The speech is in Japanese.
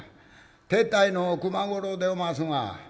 「手伝いの熊五郎でおますが」。